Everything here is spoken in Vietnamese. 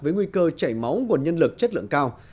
với nguy cơ chảy máu nguồn nhân lực chất lượng cao